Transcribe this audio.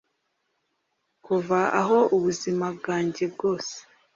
Kuva aho ubuzima bwanjye bwose